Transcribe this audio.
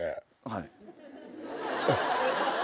はい。